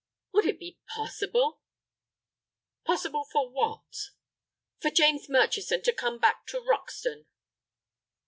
"Would it be possible?" "Possible for what?" "For James Murchison to come back to Roxton?"